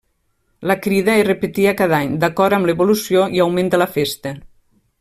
La crida es repetia cada any, d'acord amb l'evolució i augment de la festa.